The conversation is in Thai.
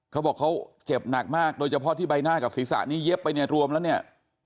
เขาบอกเขาเจ็บหนักมากโดยเฉพาะที่ใบหน้ากับศีรษะนี้เย็บไปเนี่ยรวมแล้วเนี่ย